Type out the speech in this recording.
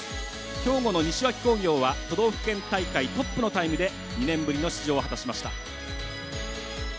兵庫の西脇工業は都道府県大会トップのタイムで２年ぶりの出場を果たしました。